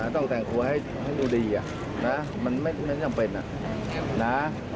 ต้องแต่งตัวให้ดูดีนะมันไม่จำเป็นนะ